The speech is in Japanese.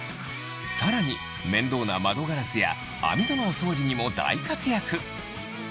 さらに面倒な窓ガラスや網戸のお掃除にも大活躍